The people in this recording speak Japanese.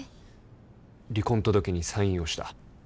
離婚届にサインをした。